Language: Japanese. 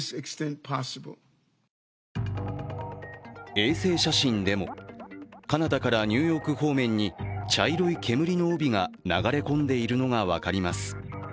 衛星写真でもカナダからニューヨーク方面に茶色い煙の帯が流れ込んでいるのが分かります。